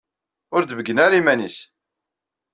Ur d-tebeyyen ara iman-is.